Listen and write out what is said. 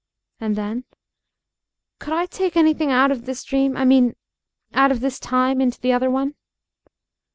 "And then?" "Could I take anything out of this dream I mean out of this time into the other one?"